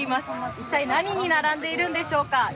一体何に並んでいるんでしょうか。